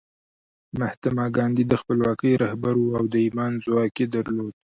مهاتما ګاندي د خپلواکۍ رهبر و او د ایمان ځواک یې درلود